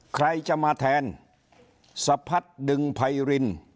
ใครจะมาแทนสะพัดดึงไพริน